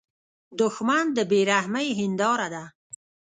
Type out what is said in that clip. دښمن د بې رحمۍ هینداره ده